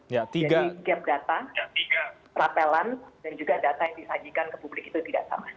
jadi gap data rafelan dan juga data yang disajikan ke publik itu tidak sama